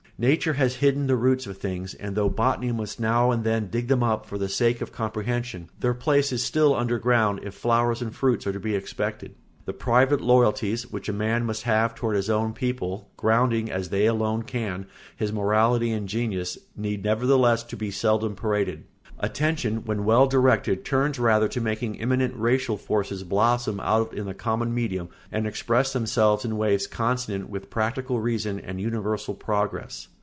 Nature has hidden the roots of things, and though botany must now and then dig them up for the sake of comprehension, their place is still under ground, if flowers and fruits are to be expected. The private loyalties which a man must have toward his own people, grounding as they alone can his morality and genius, need nevertheless to be seldom paraded. Attention, when well directed, turns rather to making immanent racial forces blossom out in the common medium and express themselves in ways consonant with practical reason and universal progress.